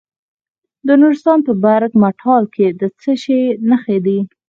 د نورستان په برګ مټال کې د څه شي نښې دي؟